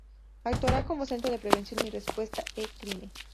Actuará como Centro de Prevención y Respuesta E-Crime.